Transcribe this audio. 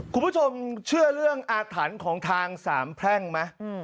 คุณผู้ชมเชื่อเรื่องอาถรรพ์ของทางสามแพร่งไหม